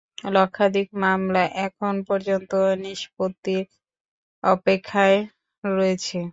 লক্ষাধিক মামলা এখন পর্যন্ত নিষ্পত্তির অপেক্ষায় রয়েছে।